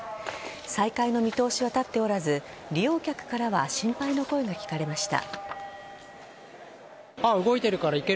再開の見通しは立っておらず利用客からは心配の声が聞かれました。